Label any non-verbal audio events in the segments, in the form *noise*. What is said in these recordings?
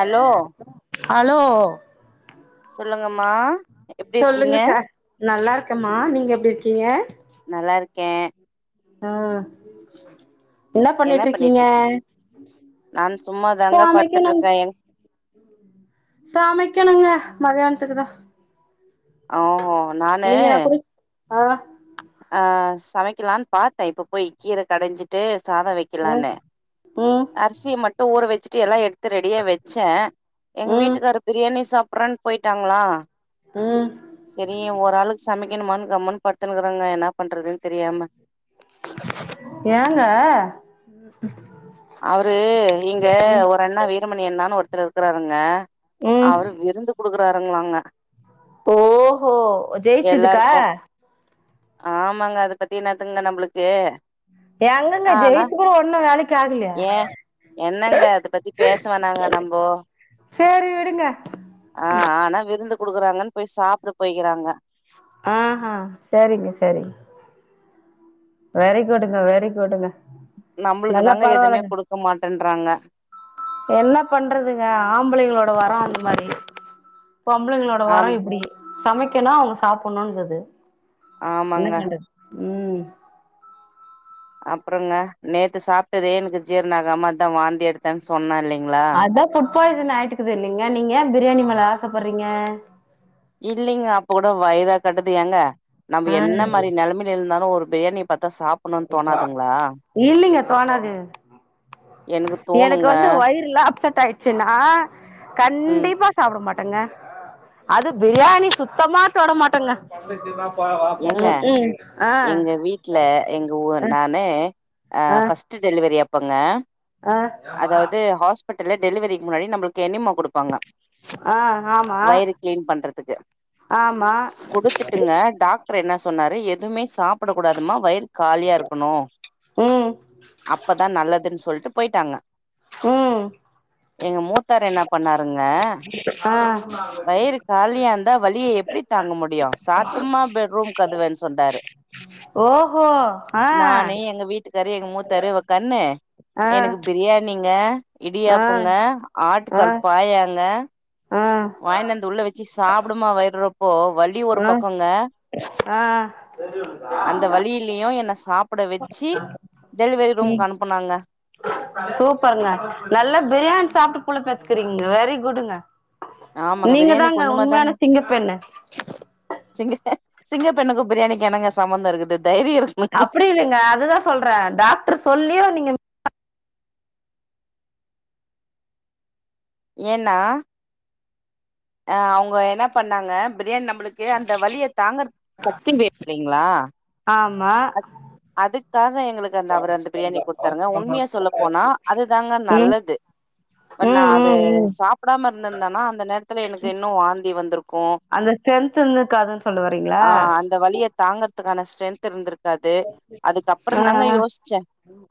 Allow hello சொல்லுங்கம்மா எப்டி சொல்லுங்க இருக்கீங்க சார் நல்லா இருக்கமா நீங்க எப்டி இருக்கீங்க நல்லா இருக்கே ஆ என்ன பண்ணிட் பண்ணிட்டு இருக்கிங்க இருக்கீங்க நான் சும்மாதாங்க படுத்துட்டு இருக்கே எங் சமைக்கணுங்க மதியானத்துக்கு தா ஓ நானு நீங்க நா கூட ஆ ஆ சமைக்கிலான் பாத்த இப்ப போய் கீர கடஞ்சிட்டு சாத ஆ வெக்கிலானு ம் அர்சிய மட்டு ஊற வச்ட்டு எல்லா எடு த்து ரெடியா வெச்ச எங்க ம் வீட்டுக்காரு பிரியாணி சாப்றன் போய்டாங்ளா ம் செரி ஒரு ஆளுக் சமைக்கணுமான் கம்னு படுத்துனுகுறங்க என்ன பண்றதுன் தெரியாம ஏங்க அவரு இங்க ம் ஒரு அண்ணா வீரமணி அண்ணானு ஒருத்தர் இருக்குறாருங்க ம் அவரு விருந்து குடுக்குறாருங்களாங்க ஓஹோ ஜெயிச்சதுக்கா எல்லாருக்கு ஆமாங்க அத பத்தி என்னாத்துங்க நம்ளுக்கு எங்கங்க ஜெயித்து கூட ஒண்ணும் வேலைக்கு ஆகலயே ங்க என்னங்க அத பத்தி பேசவேனாங்க நம்போ சேரி விடுங்க ஆ ஆனா விருந்து குடுக்கறாங்கன்னு போய் சாப்ட போய்கிறாங்க ஆ ஹா செரிங்க செரி வெரி குட்டுங்க வெரி குட்டுங்க நம்ளுக்கு நல்லா தாங்க எதுமே பரவால்லங்க குடுக்க மாட்டேன்றாங்க என்ன பண்றதுங்க ஆம்பளங்களோட வரோ அந்த மாறி பொம்பளைங்களோட வரோ ஆமா இப்டி சமைக்கணு அவங்க சாப்புட்ணுன்னு இருக்குது என்ன ஆமாங்க. பண்றது ம் அப்றங்க நேத்து சாப்ட்டதே எனக்கு ஜீரண ஆகமா அத்தா வாந்தி எடுத்தன்னு சொன்ன இல்லைங்ளா அதா ஃபுட் பாய்சன் ஆயிட்டுக்குது இல்லைங்க நீங்க ஏன் பிரியாணி மேல ஆசப்பட்றீங்க இல்லைங்க அப்ப கூட வயிறா கட்டுது ஏங்க நம்ப ஆ என்ன மாறி நெலமைல இருந்தாலு ஒரு பிரியாணி பாத்தா சாப் சாப்டாச்சா இல்லைங்க கோணாது எனக்கு வந்து வயிறுல்லா அப்செட் ஆயிடுச்சுன்னா ம். கண்டிப்பா சாப்ட மாட்டங்க அதும் பிரியாணி சுத்தமா தொட மாட்டங்க ஏங்க ம் ம் ஆ த்தோ நானு அ ஃபர்ஸ்ட் டெலிவரி அப்பங்க ஆ அதாது ஹாஸ் பிட்டல்ல டெலிவரிக்கு முன்னாடி நம்ளுக்கு எனிமா குடுப்பாங்க ஆ ஆ ஆமா வயிறு க்ளீன் பண்றதுக்கு ஆமா குடுத்துட்டுங்க டாக் ரு என்ன சொன்னாரு எதுமே சாப்படக் கூடாதுமா வயிறு காலியா இருக்கணு ம் அப்பதா நல்லதுன்னு சொல்ட்டு போய்ட்டாங்க ம் எங்க மூத்தாரு என்னா பண்ணாருங்க ஆ வயிறு காலியாந்தா வலிய எப்டி தாங்க முடியு சாத்துமா பெட்ரூம் கதவன்னு சொன்ட்டாரு ஓஹோ ஆ நானு எங்க வீட்டுக்காரு எங்க மூத்தாரு ஒக்காண்ணு ஆ எனக்கு ஆ பிரியாணிங்க ஆ இடியாப்பங்க ஆ ஆட்டுக்காலு பாயாங்க வாயின்ட் வந்து உள்ள வச்சு சாப்டுமா வயிறுறொப்போ வலி ஒரு ஹலோ பக்கங்க அ தியு என்ன சாப்ட வச்சு டெலிவரி ம் ரூம்க்கு அனுப்புனாங்க சூப்பருங்க நல்லா பிரியாணி சாப்ட்டு புள்ள பெத்க்கிறீங்க வெரி குட்டுங்க ஆமாங்க நீங்க பிரியாணி தாங்க கொஞ்சமா உண்மையான சிங்கப்பெண்ணு சிங்க சிங்க பெண்ணுக்கும் பிரியாணிக்கும் என்னங்க சம்மந்தோ இருக்குது தைரியம் இருக் அப்டி இல்லங்க அதுதா சொல்றே டாக்ரு சொல்லியு நீங்க ஏன்னா ஆ அவுங்க என்னா பண்ணாங்க பிரியாணி நம்பளுக்கு அந்த வலிய தாங்கறதுக்கு சக்தி வேணு இல்லங்ளா ஆமா அதுக் அதுக்காக எங்களுக் அது அந்த அவரு அந்த பிரியாணி குடுத்தாருங்க உண்மையா சொல்ல போனா அதுதாங்க ம் நல்லது வன் நா ம் அது ம் ம் சாப்டாம இருந்திருந்தனா அந்த நேரத்துல எனக்கு இன்னும் வாந்தி வந்திருக்கு அந்த ஸ்ட்ரென்த் இருந்திருக்காதுன்னு சொல்ல வறீங்ளா ஆ அந்த வலிய தாங்கறதுக்கான ஸ்ட்ரென்த் இருந்திருக்காது அதுக்கப்றோ தாங்க ஆ யோசிச்சே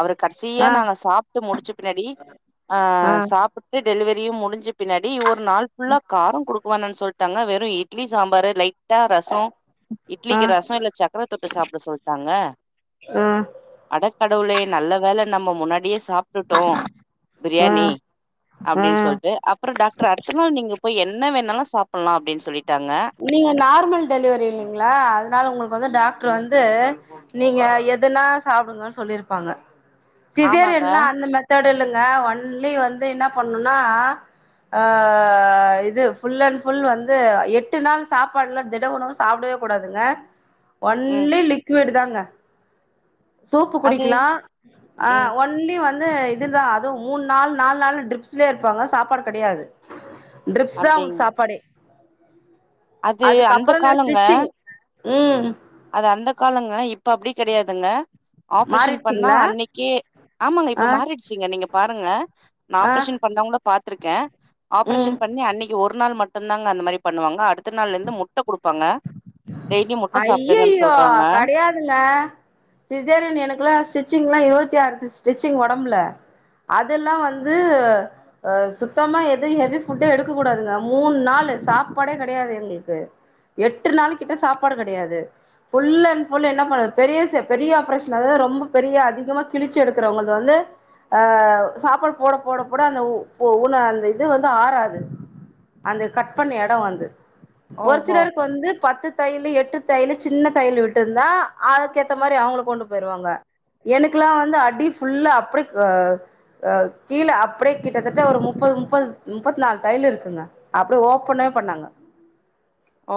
அவரு கடைசியா ஆ நாங்க சாப்ட்டு முடிச்ச பின்னாடி அ ஆ சாப் ட்டு டெலிவரியு முடிஞ்ச பின்னாடி ஒரு நாள் ஃபுல்லா காரோ குடுக் க வேணான்னு சொல்ட்டாங்க வெறு இட்லி சாம்பாரு லைட் டா ரசொ ஆ இட்லிக்கு ரசொ இல்ல சக்கர தொட்டு சாப்ட சொல் டாங்க ஆ அடக்கடவுளே நல்ல வேள நம்ம முன்னாடியே சாப்ட்டுட்டோ ஆ பிரியாணி ஆ அப்டின்னு ஆ சொல்ட்டு அப் அப்பறொ டாக்டர் அடுத்த நாள் நீங்க போயி என்ன வேணாலூ சாப்பட்லா அப்டின் சொல்லிட்டாங்க நீங்க நார்மல் டெலிவரிங்ளா அதனால உங்ளுக்கு வந்து டாக்டர் வந்து நீங்க எதுனா சாப்டுங்க சொல்லிருப்பாங்க ஆமாங்க சிசேரியேன்லா அந்தமேர் அத்தோடு இல்லங்க ஒன்லி வந்து என்ன பண்ணூனா ஆ இது ஃபுல் அண்ட் ஃபுல் வந்து எட் டுன்னா சாப்பாட்லா திட உணவு சாப்டவே கூடாதுங்க ம் ஒன்லி லிட்டு லிக்வூடு தாங்க சூப்பு அது குடிக்லா ஆ ம் ஒன் லி வந்து இதுதா அது மூண் நாள் நாலு நாள் ட்ரிப்ஸ்லே இருப்பாங்க சாப்பாடு கெடயாது ட்ரிப்ஸ் தாம் அப்டிங் சாப்பாடே அது அந்த அதுக்கப்புறோ இந்த காலங்க ஸ்டிச்சிங் ம் அது அந்த காலங்க இப்ப அப்டி கெடயாதுங்க ஆப்ரேஷன் பண்ணா மாறிடுச்சிங்களா அன்னிக்கே ஆமாங்க இப்ப ஆ மாறிட்ச்சீங்க நீங்க பாருங்க நா ஆ ஆப்ரேஷன் பண்ணவங்ள பாத்துருக்கே ம் ஆப்ரேஷன் பண்ணி அன்னிக் இங் ஒரு நாள் மட்டுத்தாங்க அந்த மாரி பண்ணுவாங்க அடுத்த நாள்ல இருந்து முட்ட குடுப்பாங்க டெய்லி முட்ட சாப்டுங்கன்னு சொல்றாங்க ல்ல சிசேரியன் எனக்குலா ஸ்டிச்சிங்லா இருவத்தி ஆறு ஸ்டிச்சி்ங் ஒடம்புல அதெல்லா வந்து அ சுத்தமா எதயூ ஹெவி ஃபுட்டே எடுக்க கூடாதுங்க மூண் நாளு சாப்பாடே கெடயாது எங்களுக்கு எட்டு நாள் கிட்ட சாப்பாடு கெடயாது ஃபுல் அண்ட் ஃபுல் என்ன பண்ணத் பெரியசு பெரிய ஆப்ரேஷன் அதாவது ரொம்ப பெரிய அதிகமா கிழிச்சு எடுக்கறவங்களுக்கு வந்து அ சாப்பாடு போட போட போட அந்த ஊன அந்த இது வந்து ஆறாது அந்த கட் பண்ண எடோ வந்து ஒரு ஓஹோ! சிலருக்கு வந்து பத்து தையலு எட்டு தையலு சின்ன தையலு விட்டு இருந்தா அதுக்கேத்த மாரி அவுங்கள கொண்டு போயிரு வாங்க எனக்கெல்லா வந்து அடி ஃபுல்ல அப்டி க அ கீழே அப்டியே கிட்டத்தட்ட ஒரு முப்பது முப்பது முப்பத்தி நால் தையலு இருக்குங்க அப்டிய ஓப்பனே பண்ணாங்க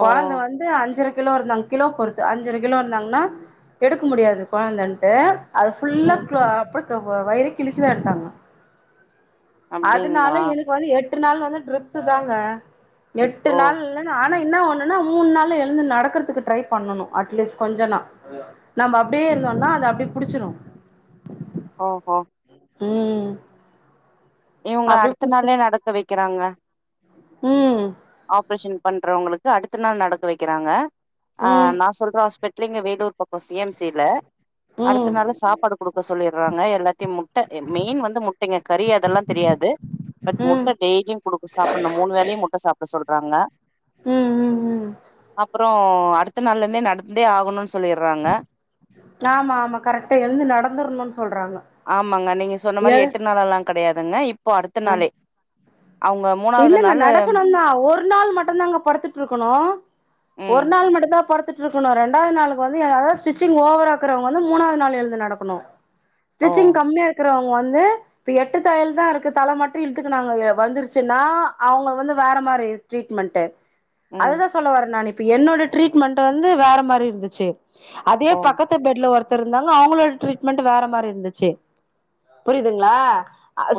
ஓ! கொழந்த வந் அப்பவே அஞ்சரை கிலோ இருந்தாங் கிலோ பொறுத்து அஞ்சரை கிலோ இருந்தாங்கன்னா எடுக்க முடியாது கொழந்தன்ட்டு அத ஃபுல்லா ம். களே அப்ப வயிறூ கிழிச்சு தா எடுத்தாங்க அப்டிங்களா? அதுனால எனக்கு வந்து எட்டு நாள் வந்து ட்ரிப்ஸ் தாங்க எட்டு ஓ! நாள் இல்லன்ன ‌ஆட் ஆன என்ன ஒண்ணுன்னா மூண் நாள்ல எழுந்து நடக்கறதுக்கு ட்ரை பண்ணனோ அட்லீஸ்ட் கொஞ்ச நா நாமே அப்டியே இருந்தோன்னா அது அப்டியே புடுச்சுடும் ஒ ஓ ம் இவுங்க அப்டியே அடுத்த புடிச்சு நாளே நடக்க வெக்கிறாங்க ம் ஆப்ரேஷன் பண்றவங்களுக்கு அடுத்த நாள் நடக்க வைக்கிறாங்க ஆ ம் நா சொல்ற ஹாஸ்பிட்டல் இங்க வேலூர் பக்கம் சி எம் சில அடுத்த ம் நாள் சாப்பாடு குடுக்க சொல்லிற்றாங்க எல்லாத்தையூ முட்ட மெயின் வந்து முட்டைங்க கறி அதெல்லா தெரியாது பட் ம் முட்ட டெய்லியூ குடுக் சாப்பட்ணோ மூண் வேலயூ முட்ட சாப்புட சொல்றாங்க ம் ம் ம் அப்புறே அடுத்த நாள்ல இருந்தே நடந்தே ஆகணும்ன்னு சொல்லிற்றாங்க ஆமாம்மா கரெக்டா எழுந்து நடந்துர்ணும்ன்னு சொல்றாங்க ஏ கெடயாதுங்க இப்போ அடுத்த நாளே அவுங்க இல்லல்ல நடக்கணும் தா ஒரு நாள் மட்டுந்தாங்க படுத்துட்ருக்கணோ ம் ஒரு நாள் மட்டுந்தா படுத் இருக்கணும் ரெண்டாவது நாளுக்கு வந்து அதாவது ஸ்டிச்சிங் ஓவரா இருக்கறவங்க வந்து மூணாவது நாள் எழுந்து நடக்கணும் ஓ ஸ்டிச்சிங் கம்மியா இருக்கிறவங்க வந்து இப்ப எட்டு தையல் தா இருக்கு தலை மட்டும் இழுதுக்கு நாங்க வந்துருச் சின்னா அவுங்க வந்து வேற மாரி ட்ரீட்மெண்ட்டு ம் அதுதா சொல்ல வரெ நானு இப் இப்ப என்னோட ட்ரீட்மெண்ட் வந்து வேற மாரி இருந்துச்சு அதே ஓ பக்கத் து பெட்ல ஒருத்தர் இருந்தாங்க அவுங்களோட ட்ரீட்மெண்ட் வேற மாரி இருந்துச்சு புரியுதுங்களா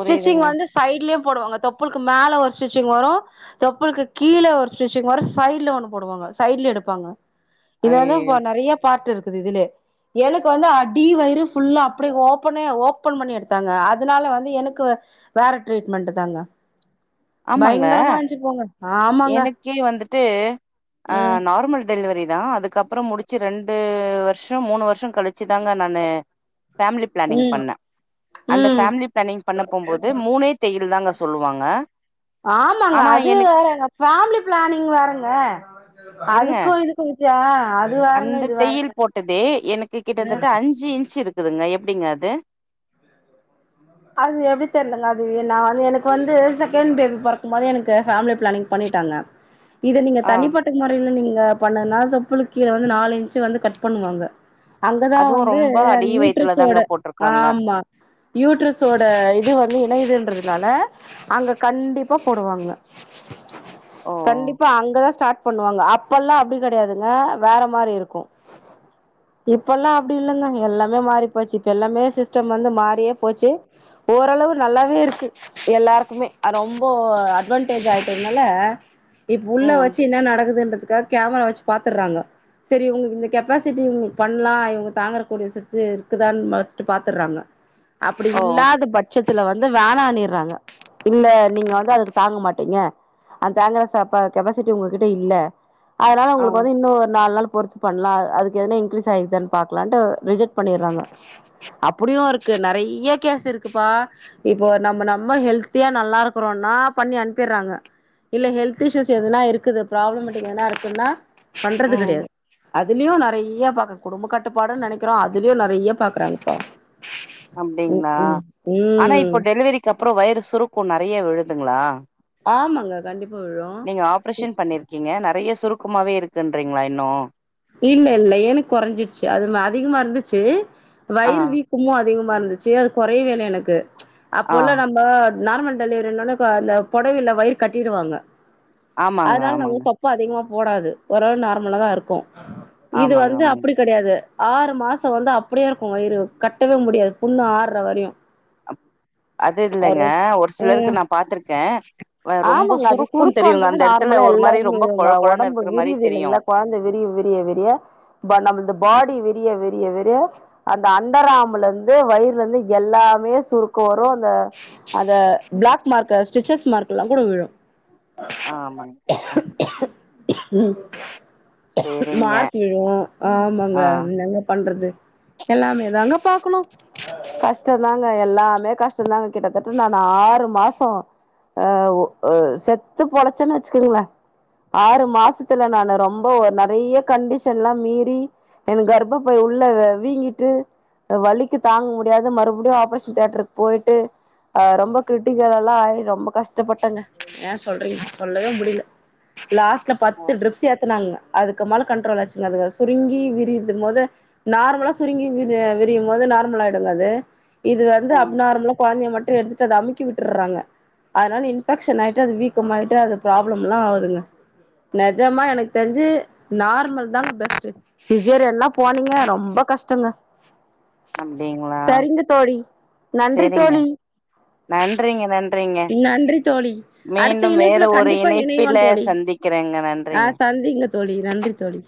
ஸ்டிச்சிங் வந்து சைடலயும் போடுவாங்க தொப்புளுக்கு மேல ஒரு ஸ்டிச்சிங் வரும் தொப்புலுக்கு கீழ ஒரு ஸ்டிச்சிங் வரும் சைட்ல ஒண்ணு போடுவாங்க சைட்ல எடுப்பாங்க இது வந்து ஐயயோ இப்ப நறைய பார்ட்டு இருக்குது இதுலே எனக்கு வந்து அடி வயிறு ஃபுல்லா அப்டி ஓப்பனே ஓபன் பண்ணி எடுத்தாங்க அதனால வந்து எனக்கு வேற ட்ரீட்மெண்ட் தாங்க ஆமாங்க பயங்கரமா இருந்துச்சு போங்க ஆமாங்க எனக்கே வந்துட்டு அ ம் நார்மல் டெலிவரி தா அதுக்கப்பறம் முடிச்சு ரெண்டு வருஷம் மூணு வருஷம் கழிச்சுதாங்க நானு ஃபேமிலி பிளாணிங் ம் பண்ணே அந்த ம் ஃபேமிலி பிளானிங் பண்ண போம்போது மூணே தையல் தாங்க சொல்லுவாங்க ஆமாங்க ஆனா அது எனக் வேறங்க ஃபேமிலி பிளானிங் வேறங்க இருங்க அதுக்கு இதுக்கு வித்தியா அது வேறங்க அந்த இது வேற தையல் போட்டதே எனக்கு கிட்டத்தட்ட அஞ்சு இன்ச் இருக் குதுங்க எப்டிங்க அது அது எப்டி தெர்லங்க அது நா வந்து எனக்கு வந்து செகண்ட் பேபி பெறக்கும்போதே எனக்கு ஃபேமிலி பிளானிங் பண்ணிட்டாங்க *inaudible* இது நீங்க ஆ தனிப்பட்ட மொறையில நீங்க பண்ணனால தொப்புல் கீழ வந்து நாலு இன்ச்சு வந்து கட் பண்ணுவாங்க அங்கதா அதுவு வந்து ரொம்ப அ அடி வயித்துல யூட்ரிஸோட தாங்க போட்ருக்காங்க ஆமா யூட்ரோஸோட இது வந்து இணைதல் றதுனால அங்க கண்டிப்பா போடுவாங்க ஓ கண்டிப்பா அங்கதா ஸ்டாட் பண்ணுவாங்க அப்பெல்லா அப்டி கிடையாதுங்க வேற மாரி இருக்கும் இப்பல்லா அப்டி இல்லங்க எல்லாமே மாறி போச்சு இப்போ எல்லாமே சிஸ்டம் வந்து மாறியே போச்சு ஓரளவு நல்லாவே இருக்கு எல்லாருக்குமே ரொம்ப அட்வான்டேஜ் ஆயிட்டதுனால இப்ப உள்ள ம் வச்சு என்ன நடக்குதுன்றதுக்காக கேமரா வச்சு பாத்துறாங்க சரி இங்களுக்கு இந்த கெப்பாசிட்டி இங்களுக்கு பண்ணலா இவங்க தாங்கறக்கூடிய சுச்சு இருக்குதான்னு ஃபஸ்ட்டு பாத்துறாங்க அப்டி ஓ இல்லாத பட் சத்துல வந்து வேன ணிறாங்க இல்ல நீங்க வந்து அதுக்கு தாங்க மாட்டீங்க அத தங்குற ச கெப்பாசிட்டி உங்ககிட்ட இல்ல அதனால ஆ உங்களுக்கு வந்து இன்னும் ஒரு நாலு நாள் பொறு பண்ணலா அதுக்கு எதுனா இன்கிறீஸ் ஆயிக்தானு பாக்கலாண்டு ரிஜக்ட் பண்ணிட்றாங்க அப்டியு இருக்கு நறைய கேஸ் இருக்குப்பா இப்போ நம்ம நம்ம ஹெல்த்தியா நல்லா இருக்கிறோனா பண்ணி அனுப்பிறாங்க இல்ல ஹெல்த் இ்ஸ்யூஷ் எதுனா இருக்குது ப்ராப்ளமேட்டிக் எதுன்னா இருக்குன்னா பண்றது ம் கிடையாது அதுலயு நிறைய பாக்க குடும்ப கட்டுப்பாடுன்னு நினைக்கிறோ அதுலயு நிறைய பாக்குறாங்க ப்போ அப்டிங்களா ஆனா இப்போ டெலிவரிக்கு அப்புற வயிறு சுருக்கு நிறைய விழுதுங்களா ஆமாங்க கண்டிப்பா விழும் இருக்கீங்க நறைய சுருக்கமாவே இருக்குன்றீங்களா இன்னு இல்ல இல்ல எனக் குறைஞ்சிடுச்சு அது அதிகமா இருந்துச்சு ஆ வயிறு வீ க்கும் அதிகமா இருந்துச்சு அது குறயவே இல்ல எனக்கு ஆ அப்போல்ல நம்ம நார்மல் டெலிவரின்ன அந்த புடவல வயிறு கட்டிடுவாங்க ஆமாங்க அதனால நம்ம ஆமாங்க ப்ப அதிகமா போடாது ஓரள நார்மலா தா இருக்கு இது ஆமாங்க வந்து ஆமாங்க அப்டி கெடையாது ஆறு மாசோ வந்து அப்டியே இருக்கு வயிறு கட்டவே முடியாது புண்ணு ஆறவரயு அது இல்லங்க ஒரு ஆ சிலருக்கு நா பாத்திருக்கே வ ரொம்ப ஆமாங்க அது சுருக்கு தெரியுங்க சுருக்கோன்றது அந்த எடத்துல நார்மலா ஒரு மாரி ரொம்ப கொழ எல்லாருக்குமேங்க கொழன்னு ஒடம்பு இருக்கிற மாரி விரிது தெரியு இல்லங்களா கொழந்த விரிய விர்ய விரிய ப நம்ம இந்த பாடி விரிய விர்ய விரிய அந்த அண்டராம்லந்து வயுர் வந்து எல்லாமே சுருக்கோ வரு அந்த அத பிளாக் மார்க்க ஸ்டிச்சஸ் மார்க் எல்லா கூட விழு ஆ ஆமாங்க மத்த ம் சேரிங்க மார்க் விழு ஆமாங்க ஆ என்ங்க பண்றது எல்லாமே தாங்க பாக்குணு கஷ்டதாங்க எல்லாமே கஷ்டதாங்க கிட்டத்தட்ட நா ஆறு மாசோ ஆ ஓ அ செத்து பொழச்சன்னு வச்சுக்கங்ள ஆறு மாசத்துல நானு ரொம்ப ஒரு நாள் நெறைய கண்டிஷன்ல்லா மீறி எனக் கர்ப்ப பை உள்ள வ வீங்கிட்டு அ வழிக்கு தாங்க முடியாது மறுபடியு ஆப்ரேஷன் தேட்டருக்கு போயிட்டு அ ரொம்ப கிரிட்டிக்கல்லலா ஆய் ரொம்ப கஷ்டப்பட்டங்க ஏ சொல்றீங்க சொல்லவே முடியல லாஸ்ட்ல அப்போ பத்து ட்ரிப்ஸ் ஏத்தனாங்க அதுக்கு மால கண்ட்ரோல் ஆச்சுங்க அது சுருங்கி விரிது மோது நார்மலா சுருங்கி வி விரியு மோது நார்மல் ஆயிடுங்க அது இது வந்து அப் ம் நார்மலா கொழந்தைய மட்டு எடுத் த்தத அமுக்கி விட்டறாங்க அதனால இன்பெக்ஷன் ஆயிட்டு அது வீக்கமாயிட்டு அது ப்ராப்ளம்லா ஆவுதுங்க நெஜமா எனக்கு தெரிஞ்சி நார்மல் தாங்க பெஸ்ட் சிசேரியன் எல்லா போனீங்க ரொம்ப கஷ்டங்க அப்டிங்களா சரிங்க தோழி நன்றி சேரிங்க தோழி நன்றிங்க நன்றிங்க நன்றி தோழி அடுத்த மீண்டும் இணைப்புல கண்டிப்பா இணைலா தோழி க்கிறேங்க ஆ நன்றிங்க சந்திங்க தோழி நன்றி தோழி